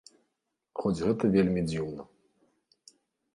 Хоць гэта вельмі дзіўна.